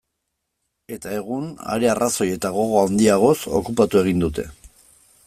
Eta egun, are arrazoi eta gogo handiagoz, okupatu egin dute.